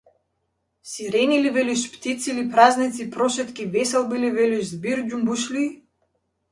Сирени ли, велиш, птици ли, празници, прошетки, веселби ли велиш, збир џумбушлии?